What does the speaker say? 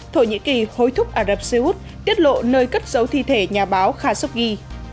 thổ nhĩ kỳ hối thúc ả rập xê út tiết lộ nơi cất dấu thi thể nhà báo khashoggi